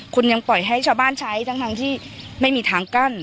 คุณยังปล่อยให้ชาวบ้านใช้ทั้งที่ไม่มีทางกั้น